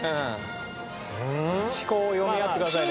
思考を読み合ってくださいね。